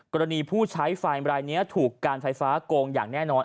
กรณีผู้ใช้ไฟรายนี้ถูกการไฟฟ้าโกงอย่างแน่นอน